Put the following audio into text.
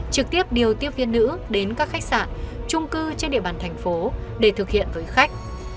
trực tiếp điều tiếp viên nữ đến các khách sạn trung cư trên địa bàn thành phố để thực hiện với khách